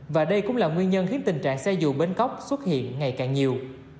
và đây cũng là nguyên nhân khiến tình trạng xe dù bến cóc xuất hiện ngày càng nhiều